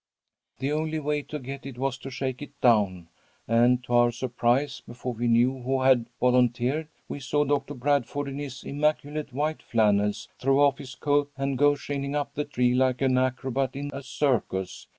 "The only way to get it was to shake it down, and to our surprise, before we knew who had volunteered, we saw Doctor Bradford, in his immaculate white flannels, throw off his coat and go shinning up the tree like an acrobat in a circus.